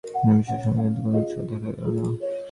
এ-বিষয়ে স্বামীজীর কিন্তু কোন উৎসাহ দেখা গেল না।